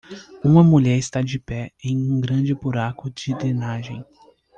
Uma mulher está de pé em um grande buraco de drenagem.